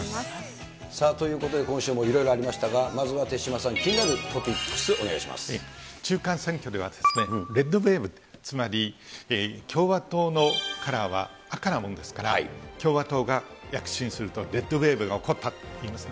さあ、ということで今週もいろいろありましたが、まずは手嶋さん、気になるトピックス、中間選挙では、レッドウェーブ、つまり、共和党のカラーは赤なもんですから、共和党が躍進すると、レッドウェーブが起こったといいます。